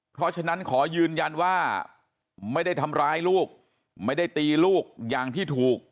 เพราะฉะนั้นขอยืนยันว่าไม่ได้ทำร้ายลูกไม่ได้ตีลูกอย่างที่ถูก